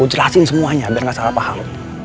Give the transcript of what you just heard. jelasin semuanya biar gak salah paham